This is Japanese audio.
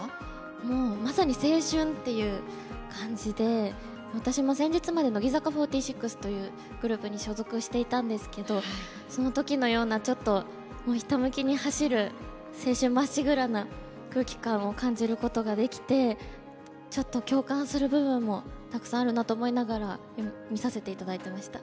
もうまさに青春っていう感じで私も先日まで乃木坂４６というグループに所属していたんですけどその時のようなちょっともうひたむきに走る青春まっしぐらな空気感を感じることができてちょっと共感する部分もたくさんあるなと思いながら見させて頂いてました。